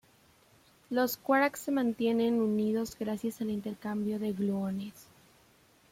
Los quarks se mantienen unidos gracias al intercambio de gluones.